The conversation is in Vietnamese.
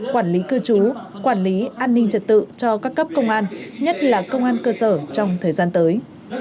quản lý cư trú quản lý an ninh trật tự cho các cấp công an nhất là công an cơ sở trong thời gian tới